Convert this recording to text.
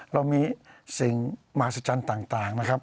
เรามีสิ่งมหัศจรรย์ต่างนะครับ